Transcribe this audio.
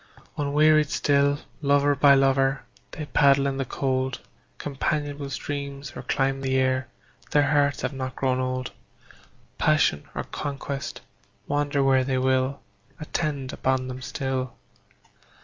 Unwearied still, lover by lover, They paddle in the cold Companionable streams or climb the air; Their hearts have not grown old; Passion or conquest, wander where they will, Attend upon them still.